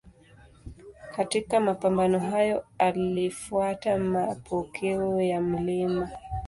Katika mapambano hayo alifuata mapokeo ya Mt.